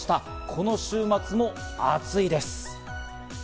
この週末も暑いです。